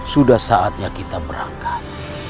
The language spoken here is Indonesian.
sudah saatnya kita berangkat